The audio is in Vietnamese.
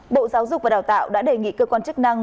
bộ giáo dục và đào tạo đã đề nghị cơ quan chức năng